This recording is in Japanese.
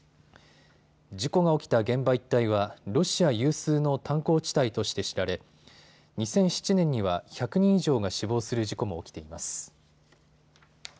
事故が起きた現場一帯はロシア有数の炭鉱地帯として知られ２００７年には１００人以上が死亡する事故も起きています。